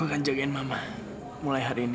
akan jagain mama mulai hari ini